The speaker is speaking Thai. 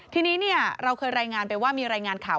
ทีนี้เราเคยรายงานไปว่ามีรายงานข่าว